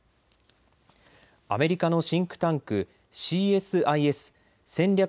アメリカのシンクタンクＣＳＩＳ・戦略